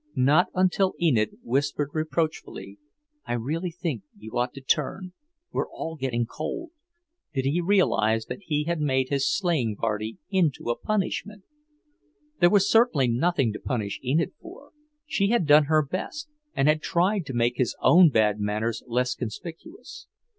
Not until Enid whispered reproachfully, "I really think you ought to turn; we're all getting cold," did he realize that he had made his sleighing party into a punishment! There was certainly nothing to punish Enid for; she had done her best, and had tried to make his own bad manners less conspicuous.